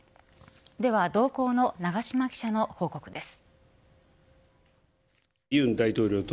では、同行の長島記者の報告です。